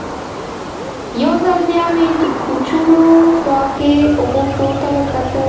یو ځل بیا مې د کوچونو خوا کې غوټو ته وکتل.